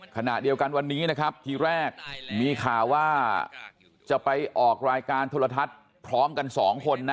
ขณะเดียวกันวันนี้นะครับทีแรกมีข่าวว่าจะไปออกรายการโทรทัศน์พร้อมกัน๒คนนะ